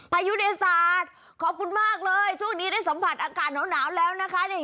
พายุในศาสตร์ขอบคุณมากเลยช่วงนี้ได้สัมผัสอากาศหนาวแล้วนะคะ